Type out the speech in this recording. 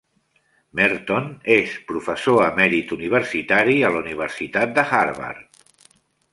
Merton és professor emèrit universitari a la Universitat de Harvard.